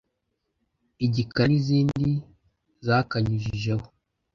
‘Igikara’ n’izindi zakanyujijeho